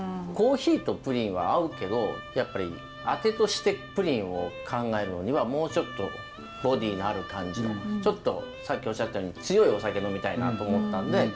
コーヒーとプリンは合うけどやっぱりあてとしてプリンを考えるのにはもうちょっとボディーのある感じのちょっとさっきおっしゃったように強いお酒呑みたいなと思ったんで。